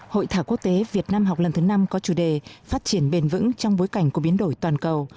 hội thảo quốc tế việt nam học lần thứ năm có chủ đề phát triển bền vững trong bối cảnh của biến đổi toàn cầu